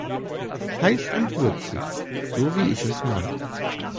Heiß und würzig, so wie ich es mag.